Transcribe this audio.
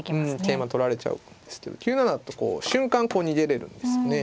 桂馬取られちゃうんですけど９七とこう瞬間こう逃げれるんですね。